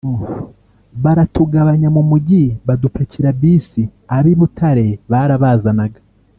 baratugabanya mu mujyi badupakira bisi ab’i Butare barabazanaga